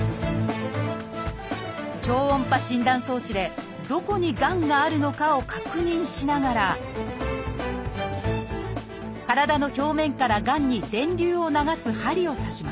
超音波診断装置でどこにがんがあるのかを確認しながら体の表面からがんに電流を流す針を刺します